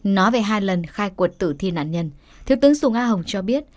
nói về hai lần khai quật tử thi nạn nhân thiếu tướng sùng a hồng cho biết